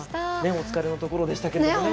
お疲れのところでしたけれども。